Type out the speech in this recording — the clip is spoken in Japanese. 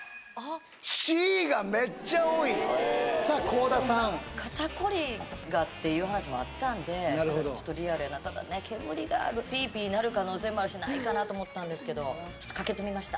Ｃがメッチャ多いさあ倖田さんっていう話もあったんでちょっとリアルなただね煙がピーピー鳴る可能性もあるしないかなと思ったんですけどちょっとかけてみました